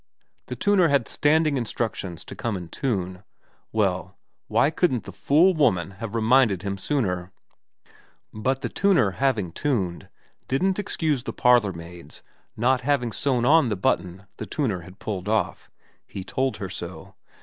The tuner had standing instructions to come and tune. Well, why couldn't the fool woman have reminded him sooner ? But the tuner having tuned didn't excuse the parlourmaid's not having sewn on the button the tuner had pulled off. He told her so.